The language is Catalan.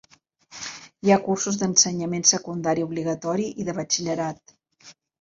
Hi ha cursos d'ensenyament secundari obligatori i de batxillerat.